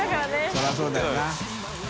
そりゃあそうだよな。